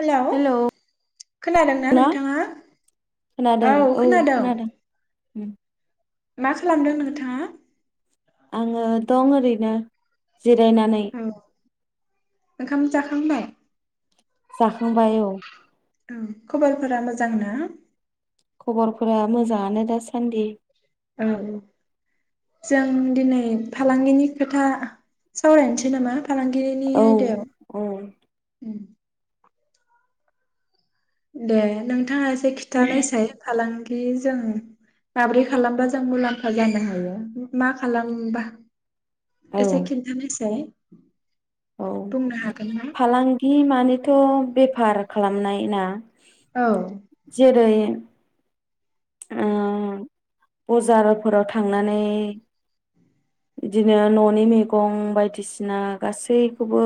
Hello खोनादोंना ना नोंथाङा औ खोनादों। मा खालामदों नोंथाङा? आङो दं ओरैनो जिरायनानै औ ओंखाम जाखांबाय जाखांबाय औ औ खबरफोरा मोजां ना ‌? खबरफोरा मोजाङानो दासान्दि ‌ औ जों दिनै फालांगिनि खोथा सावरायनोसै नामा? फालांगिरिनि औ आयदायाव औ ओम दे नोंथाङा से खिथानायसाय फालां बियो जों माब्रै खालामबा जों मुलाम्फा जानो हायो मा खालामबा औ एसे खिन्थानायसाय औ बुंनो हागोन ना फालांगि मानिथ' बेफार खालामनाय ना औ जेरै ओ बजारफोराव थांनानै इदिनो न'नि मैगं बायदिसिना गासैखौबो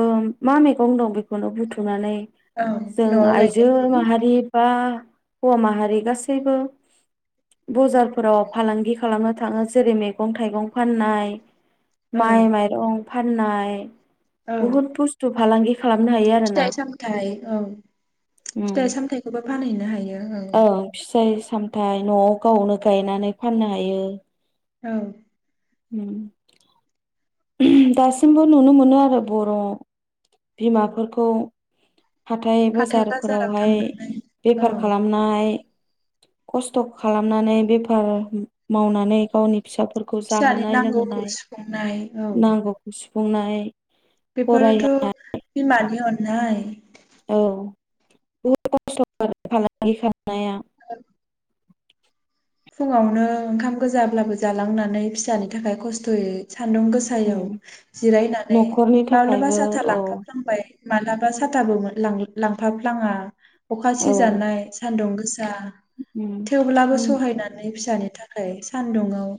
मा मैगं दं बेखौनो बुथुमनानै औ जों न'आव आइजो गायनायखौ माहारि बा हौवा माहारि गासैबो बजारफोराव फालांगि खालामनो थाङो जेरै मैगं थाइगं फाननाय औ माय माइरं फाननाय औ बुहुत बुस्थु फलाांगि फिथाइ सामथाय ओं फिथाइ उम सामथायाइखौबो फानहैनो हायो ओं थाय न'आव गावनो गायनानै फाननो हायो ‌। ओं उम दासिमबो नुनो मोनो आरो बर' बिमाफोरखौ हाथाय बाजाराव बाजारफोरावहाय थांनानै औ बेफार खालामनाय खस्थ' खालामनानै बेफार मावनानै गावनि फिसाफोरखौ फिसानि जाहोनाय नांगौखौ लोंहोनाय सुफुंनाय औ बुंनाय बेफोरनोथ' बिमान नि अननाय औ बुहुत [inaudible] नाया फुङावनो ओंखाम गोजाब्लाबो जालांनानै फिसानि थाखाय खस्थ'यै सान्दुं गोसायाव उम जिरायनानै न'खरनि माब्लाबा थाखायबो साथा औ लांफा फ्लांबाय मालाबा साथाबो मोन लां लांफाफ्लाङा अखा औ सिजानाय सान्दुं गो सा उम थेवब्लाबो उम [unintelligible] फिसानि थाखाय सान्दुंङाव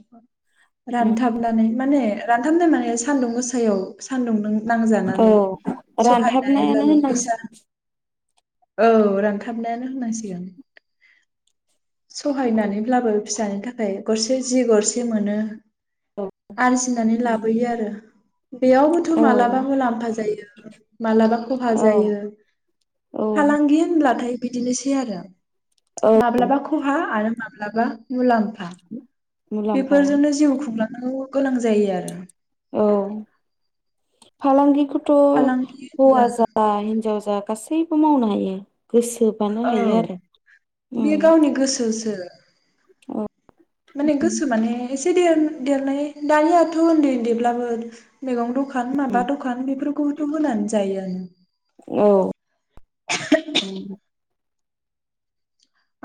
उम रानथाबनानै माने रानथाम दोनानै सान्दुं गोसायाव सान्दुंदों औ रानथाबनायानो फैसा होननांसिगोन औ रानथाबनायानो होननांसिगोन सहायनानैब्लाबो फिसानि थाखाय गरसे जि गरसे मोनो आरजिनानै लाबोयो आरो बेयावबोथ' औ मालाबा मुलाम्फा जायो मालाबा खहा औ जायो औ फालांगि होनब्लाथाय बिदिनोसै आरो औ माब्लाबा खहा आरो माब्लाबा मुलाम्फा उ [inaudible] बेफोरजोंनो जिउ खुंलांनो गोनां जायो आरो फालांगि थ' फालांगि होनब्ला हौवा जा हिन्जाव जा गासैबो मावनो हायो गोसोबानो औ हायो आरो उम बे गावनि गोसोसो [inaudible] माने गोसो माने एसे देर- देरनाय दानियाथ' ओन्दै ओन्दैब्लाबो मेगं दखा न माबा दखान बेफोरखौथ' होनानै जायो [inaudible] औ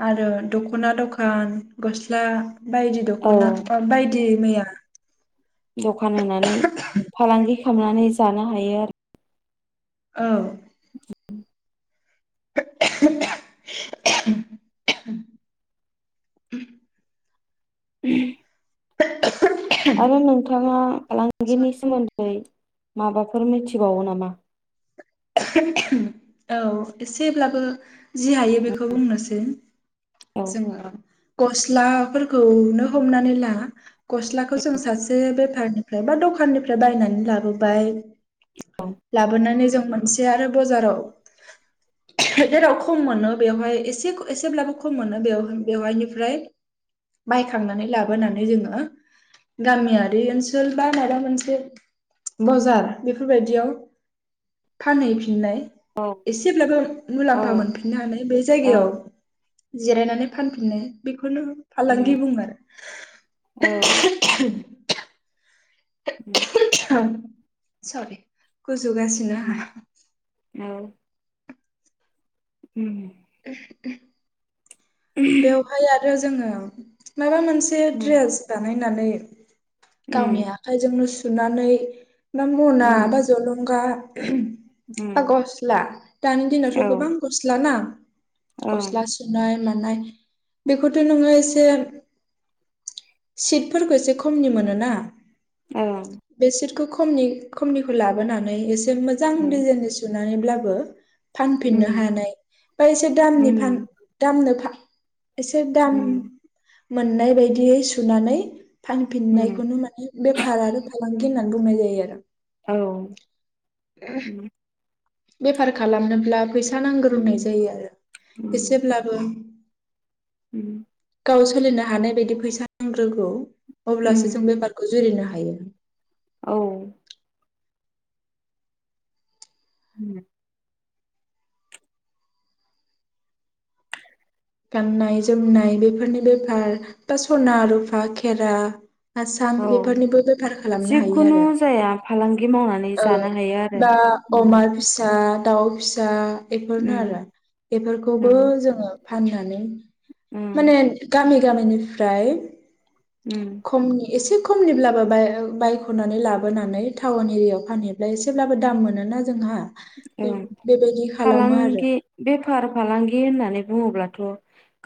आरो दख'ना दखान गस्ला बायदि औ दख'ना बा बाय दि मैया दखान होनानै फालांगि खामनानै जानो हायो आरो। औ [unintelligible] उ [unintelligible] आरो नोंथाङा फालांगिनि सोमोन्दै माबाफोर मिथिबावो नामा? औ एसेब्लाबो जि हायो बेखौ बुंनोसै औ जोङो गस्लाफोर खौनो हमनानै ला गस्लाखौ जों सासे बेफारनिफ्राय बा दखाननिफ्राय बायनानै लाबोबाय लाबोनानै जों मोनसे आरो बजाराव जेराव खम मोनो बेवहाय एसेख एसेब्लाबो खम मोनो बेवहायनिफ्राय बायखांनानै लाबोनानै जोङो गामियारि ओनसोल बा माबा मोनसे बजार बेफोरबायदियाव फानहैफिननाय औ एसेब्लाबो औ मुलाम्फा मोनफिननानै बै जायगायाव औ जिरायनानै फानफिनो बिख खोनो उम फालांगि बुंङो आरो औ [unintelligible] उम सारि सरि गुजुगासिनो उम आहा औ उम उम उम बेवहाय आरो जोङो माबा मोनसे उम ड्रेस बानाय नानै गावनि उम आखायजोंनो सु सुनानै ना मना उम बा जलंगा बा उम गस्ला दानि औ दिनावथ' गोबां गस्ला ना औ गस्ला सुुनाय मा नाय बेखौथ' नोङो एसे सिटफोरखौ एसे खमनि मोनोना आ खो खमनि खमनिखौ लाबोनानै एस मोजां उम दिजाइन नि सुन नानै ब्लाबो फानफिननो उम हानाय बा एसे दामनि फान उम दा आंनो फा एसे दाम मोननाय बायदियै सुनानै फानफिन औ नायखौनो माने बेफार आरो फालांगि होननानै बुंनाय जायो आरो औ ओ बेफार खालामनोब्ला फैसा नांगोर होननाय उम जायो आरो एसेब्लाबो उम गाव सोलिनो हानाय बायदि फैसा नांग्रोगौ उम अब्लासो जों उम बेफारखौ जुरिनो हागोन हायो औ उम गाननाय जोमनाय बेफोरनि बेफार बा सना रुफा खेरा आसान औ बेफोरनिबो बेफार खालामनो हायो जिखुनु आरो जाया फालांगि मावनानै ओ जानो हायो आरो बा उम अमा फिसा दाउ फिसा बेफोरनो उम आरो बेफोरखौबो औ जोङो फाननानै उम माने गामि गामिनिफ्राय उम खमनि एसे खमनिब्लाबो बाय बायख'नानै लाबोनानै टाउन एरियायाव फानहैब्ला एसेब्लाबो दाम मोनोना जोंहा औ बे बेबायदि खालामो आरो फालांगि बेफार फालांगि होननानै बुङोब्ला' थ'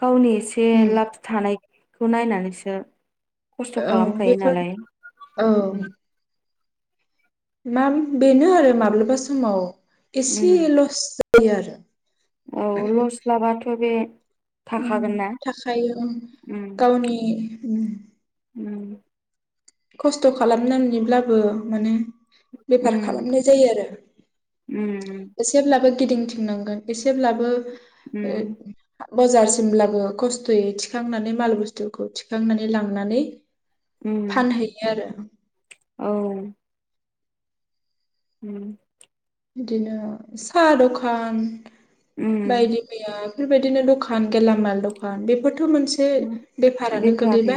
गावनि एसे उम लाब थानाय खौ नायनानैसो खस्थ' औ खालामखायो बेफोर नालाय औ उम मा बेनो आरो माब्लाबा समाव एसे उम लस जायो आरो औ लस लाबाथ' बे उम थाखागोन ना थाखायो ओम उम गावनि उम उम खस्थ' खालामनानैब्लाबो माने बेफार उम खालामनाय जायो आरो उम एसेब्लाबो गिदिंथिंनांगोन एसेब्लाबो ए उम बाजारसिमब्लाबो खस्थ'यै थिखांनानै माल बुस्थुखौ थिखांनानै लांनानै उम फानहैयो आरो औ उम बिदिनो साहा दखान बायदि उम मैया बेबायदिनो दखान गेलामाल दखान बेफोर बेफारि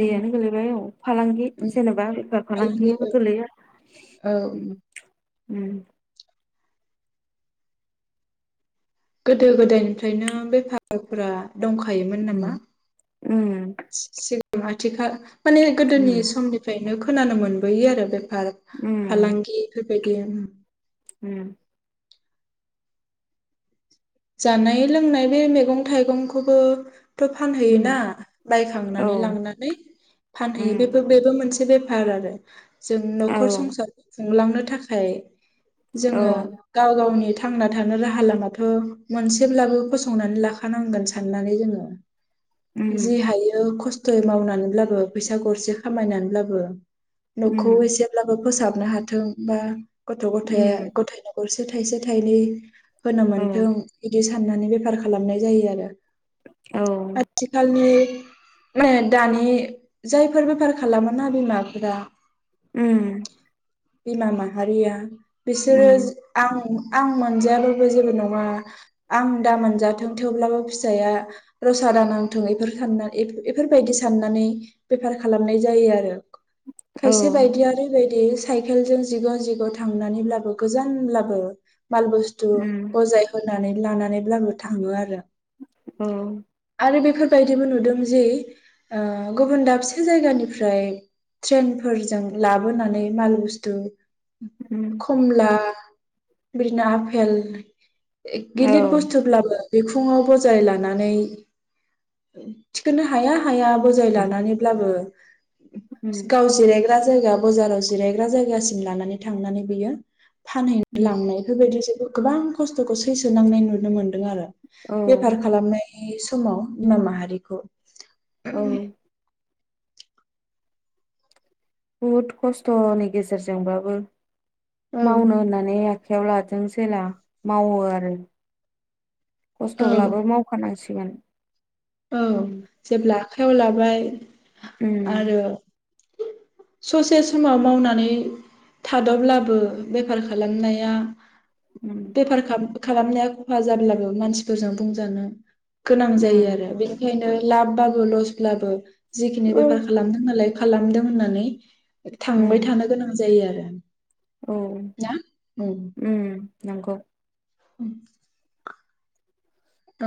उम गोलैबाय औ फालांगि उम जेनबा बेफार फालांगि फालांगियाव औ गोलैया औ उम उम गोदो गोदायनिफ्रायनो बेफारफ्रा दंखोमोन नामा उम उम [inaudible] थिखा माने गोदोनि उम समनिफ्राय नो खोनानो मोनबोयो आरो बे फार उम फालांगि फोरबायदि उम उम जानाय लोंनाय बे मैगं थाइगंखौबो थ' फानहैयोना उम बायखांनानै औ लांनानै फानहैयो बेबो बेबो मोनसे से बेफार आरो जों न'खर संसार हुंलांनो थाखाय जोङो गाव गावनि थांना थानो राहा लामाथ' मोनसेब्लाबो फसंनानै लाखानांगोन साननानै जोङो जि हायो खस थ'यै मावनानैब्लाबो फैसा गरसे खामायनानैब्लाबो न'खौ एसेब्लाबो फोसाब आनो हाथों बा गथ' गथाया गथायनो [unintelligible] थाइसे थाइनै होनो मोन्थों ए साननानै बेफार खालामनाय जायो आरो आथिखालनि अए दानि जायफोर बेफार खालामोना बिमाफोरा उम बिमा माहारिया बिसोरस आं आं मोनजायाबाबो जेबो नङा आं दाम मोनजाथों थेवब्लाबो फिसाया रसा दानांथों बेफोर साननानै बेफोरबायदि साननानै बेफार खालामनाय जायो आरो खायसे बायदि ओरैबायदि दि साइकेलजों जिग' जिग' थांनानैब्लाबो गोजानब्लाबो माल बस्थु बजाय नानै लानानैब्लाबो थाङो आरो औ आरो बेफोरबायदिबो नुदों जे ओ गुबुन दाबसे जायगानिफ्राय ट्रेनफोरजों लाबोनानै माल बुस्थु खमला बिदिनो‌ आपेल गिलिद बुस्थुब्लाबो बिखुङाव बजाय लानानै थिखोननो हाया हाया बजाय लानानैब्लाबो गाव जिराय जायगा बाजाराव जिरायग्रा जायगासिम लानानै थांनानै बियो फानहै लांनाय बेफोरबायदिसो गोबां खस्थ'खौ सै सोनांनाय नुनो मोन्दों आरो बेफार खालामनाय समाव बिन माहारिखौ औ बहुद खस्थ'नि गेजेरजोंबाबो औ मावानो होननानै आखायाव लादों जेला मावो आरो औ खस्थ'ब्लाबो मावखानांसिग सिगोन औ जेब्ला आखाइयाव लाबाय उम आरो ससे समाव मावनानै थादब्लाबो बेफार खालामनाया उम बेफार खाम खालामनाया खहा जाब्लाबो मानसिफोरजों बुंजानो गोनां जायो उम आरो खायनो लाबबाबो लसब्लाबो जिखिनि बेफार खालामदों नालाय खालामदों होननानै थांबाय उम थानो गोनां जायो आरो उम औ ना ओम नंगौ औ औ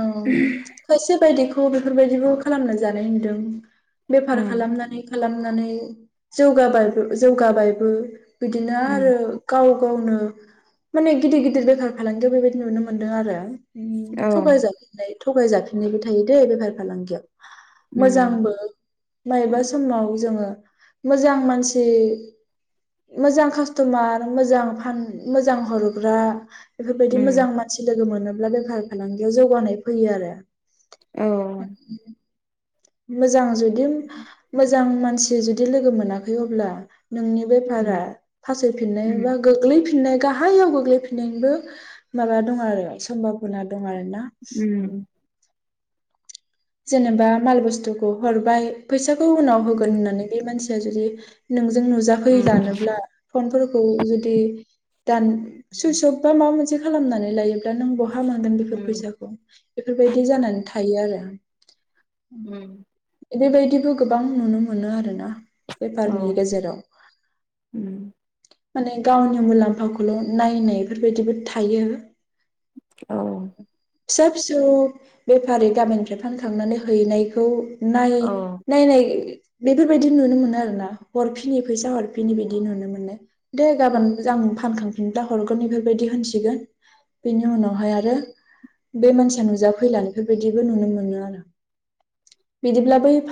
खायसे बायदिखौ खौ बेफोरबायदिबो खालामना जानाय नुदों बेफार उम खालामनानै खालामनानै जौगाबाय जौगाबायबो बिदिनो उम आरो गाव गावनो माने गिदिर गिदिर बेफार फालांगियाव बेबायदि नुनो मोनदों आरो ओ थगाय जाजोबनाय थगाय जाफिननायबो थायो दैे बेफार फालांगियाव उम मोजांबो माबेबा समाव जोङो मोजां मानसि मोजां कास्टमार मोजां फान मोजां हरग्रा बेफोरबायदि उम मोजां मानसि लोगो मोनो ब्ला [unintelligible] फालांगियाव जौगानाय फैयो आरो औ उम [inaudible] मोजां जु दि मोजां मा मानसिया जुदि लोगो मोनाखै अब्ला नोंनि बेफारा फासय उम फिननायबा गोग्लै फि नाय गाहायाव गोग्लैफिननायनिबो माबा दं आरो सम्भाबना दं आरो ना उम जेनेबा माल बुस्थुखौ हरबाय फैसा खौ उनाव होगोन होननानै बे मानसि आ जुदि नों जों नुजा उम फैलानोब्ला फनफोर खौ जुदि दान सुइसफ बा माबा मोनसे खालामनानै लायो दा नों बहा मोनगोन बेफोर उम फैसाखौ बेफोरबायदि जानानै था थायो आरो उम इबे बायदिबो गोबां नुनो मोनो आरो ना। औ बेफारनि गेजेराव उम माने गावनि मुलाम्फाखौल' नायनायफोर बायदिबो थायो ‌ औ फिसा फिसौ बेफारि गामिनिफ्राय फान थांनानै हैनायखौ नाय औ नायनाय [inaudible] [unintelligible] बिदिब्ला बै